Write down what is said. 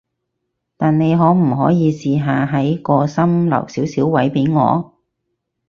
但你可唔可以試下喺個心留少少位畀我？